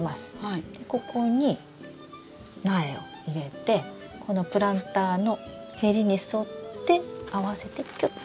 でここに苗を入れてこのプランターの縁に沿って合わせてキュッ。